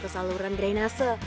ke saluran drainase